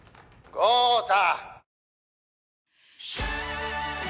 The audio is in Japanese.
豪太！」